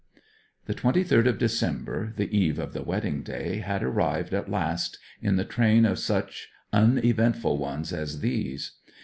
The twenty third of December, the eve of the wedding day, had arrived at last in the train of such uneventful ones as these.